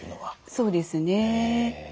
そうですね。